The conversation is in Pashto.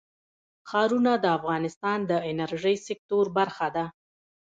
ښارونه د افغانستان د انرژۍ سکتور برخه ده.